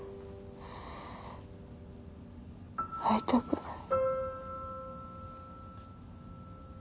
会いたくない。